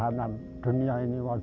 batas raja anggota saya waras